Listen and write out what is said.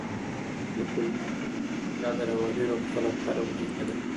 د کولمو سالمه غذا د رواني روغتیا لپاره مهمه ده.